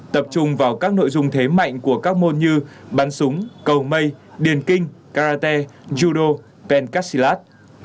tập trung vào các nội dung thế mạnh của các môn như bắn súng cầu mây điền kinh karate yudo pencastilat